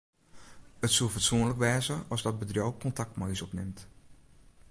It soe fatsoenlik wêze as dat bedriuw kontakt mei ús opnimt.